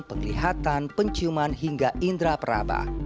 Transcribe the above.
penglihatan penciuman hingga indera peraba